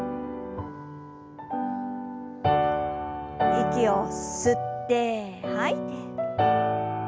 息を吸って吐いて。